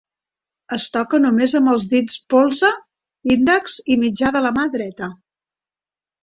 Es toca només amb els dits polze, índex i mitjà de la mà dreta.